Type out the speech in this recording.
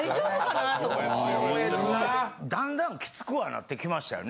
・だんだんキツくはなってきましたよね。